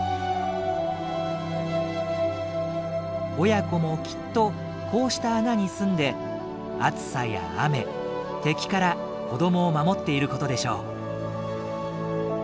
親子もきっとこうした穴にすんで暑さや雨敵から子どもを守っていることでしょう。